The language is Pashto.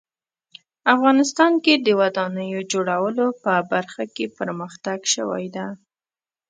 افغانستان کې د ودانیو جوړولو په برخه کې پرمختګ شوی ده